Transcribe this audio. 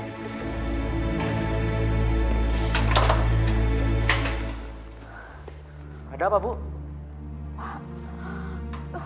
itu mike juga tidak bebas then moisturizing